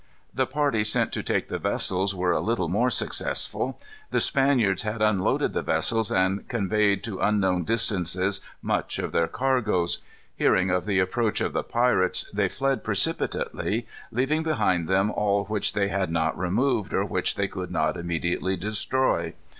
The party sent to take the vessels were a little more successful. The Spaniards had unloaded the vessels and conveyed to unknown distances much of their cargoes. Hearing of the approach of the pirates, they fled precipitately, leaving behind them all which they had not removed, or which they could not immediately destroy.